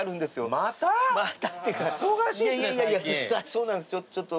そうなんですちょっと。